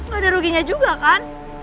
gak ada ruginya juga kan